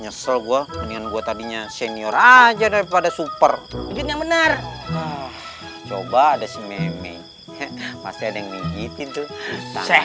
nyesel gua gua tadinya senior aja daripada super benar coba ada si meme masih ada